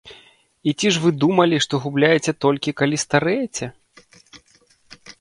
І ці ж вы думалі, што губляеце толькі, калі старэеце?